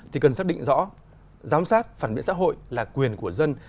thì cần xác định rõ giám sát phản biện xã hội là quyền của dân